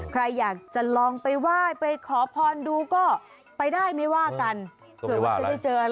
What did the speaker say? ใครอยากจะลองไปเข้าพรดูก็ไปได้ไม่ว่ากัน